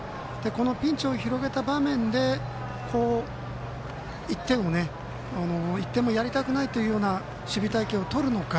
ピンチを広げた場面で１点もやりたくないというような守備隊形をとるのか。